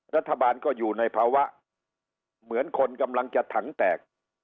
รัฐบาลก็อยู่ในภาวะเหมือนคนกำลังจะถังแตก